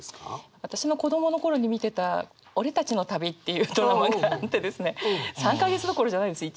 私の子どもの頃に見てた「俺たちの旅」っていうドラマがあってですね３か月どころじゃないんです。